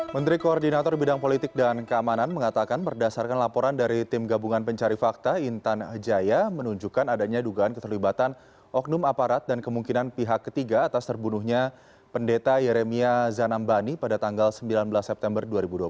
menteri koordinator bidang politik dan keamanan mengatakan berdasarkan laporan dari tim gabungan pencari fakta intan jaya menunjukkan adanya dugaan keterlibatan oknum aparat dan kemungkinan pihak ketiga atas terbunuhnya pendeta yeremia zanambani pada tanggal sembilan belas september dua ribu dua puluh satu